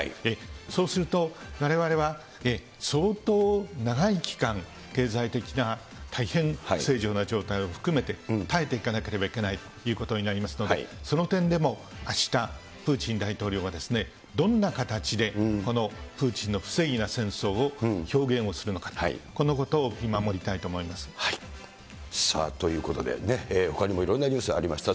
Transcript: そうすると、われわれは相当長い期間、経済的な大変不正常な状態を含めて、耐えていかなければいけないということになりますので、その点でもあした、プーチン大統領はですね、どんな形で、このプーチンの不正義な戦争を表現をするのか、このことを見守りということでね、ほかにもいろんなニュースありました。